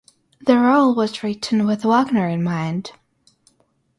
The role was written with Wagner in mind.